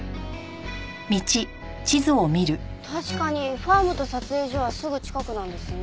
確かにファームと撮影所はすぐ近くなんですね。